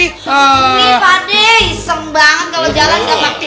ini pak d iseng banget kalo jalan gak mati